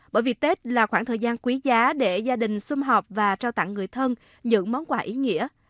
bởi vì tết là khoảng thời gian quý giá để gia đình xung họp và trao tặng người thân những món quà ý nghĩa